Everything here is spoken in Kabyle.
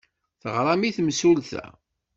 Teɣram i temsulta?